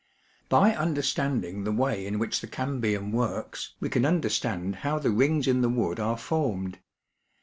By understanding the way in which the cambium works we can understand how the rings in the wood are formed.